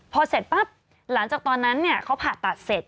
พอเสร็จปั๊บหลังจากตอนนั้นเขาผ่าตัดเสร็จ